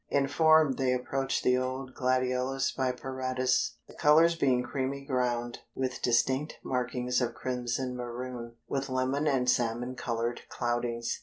In form they approach the old Gladiolus Biperatus, the colors being creamy ground with distinct markings of crimson maroon, with lemon and salmon colored cloudings.